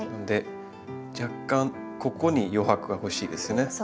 で若干ここに余白が欲しいですよね。